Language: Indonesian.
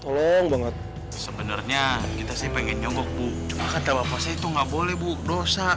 tolong banget sebenarnya kita sih pengen nyonggok bu cuma kata bapak sih itu nggak boleh bu dosa